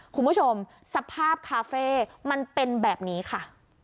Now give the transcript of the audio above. คุณผู้ชมสภาพคาเฟ่มันเป็นแบบนี้ค่ะ